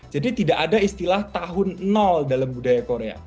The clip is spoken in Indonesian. jadi tidak ada istilah tahun nol dalam budaya korea